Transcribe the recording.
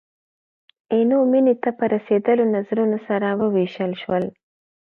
عینو مینې ته په رسېدلو نظرونه سره ووېشل شول.